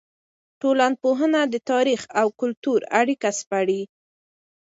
ټولنپوهنه د تاریخ او کلتور اړیکه سپړي.